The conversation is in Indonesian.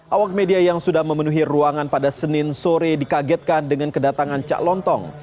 awak media yang sudah memenuhi ruangan pada senin sore dikagetkan dengan kedatangan cak lontong